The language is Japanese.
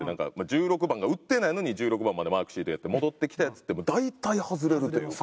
１６番が売ってないのに１６番までマークシートやって戻ってきたやつって大体外れるというか。